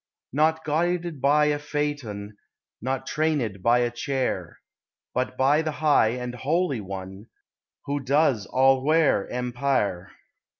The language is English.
Not guided by a Phaeton, Not trained in a chair, But by the high and holy One, Who does all where empire.